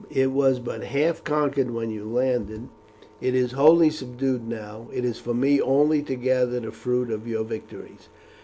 "It was but half conquered when you landed, it is wholly subdued now. It is for me only to gather the fruit of your victories."